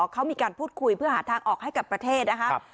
เขามีการพูดคุยเพื่อหาทางออกให้กับประเทศนะครับ